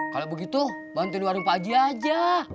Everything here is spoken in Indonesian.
kalau begitu bantuin warung pak haji aja